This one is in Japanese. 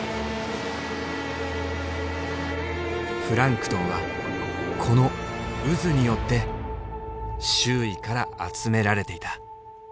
プランクトンはこの渦によって周囲から集められていた。